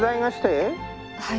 はい。